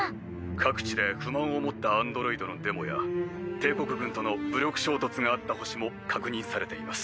各地で不満を持ったアンドロイドのデモや帝国軍との武力衝突があった星も確認されています。